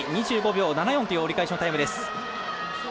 ２５秒７４という折り返しのタイムです。